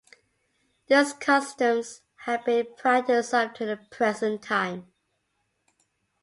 This customs have been practiced up to the present time.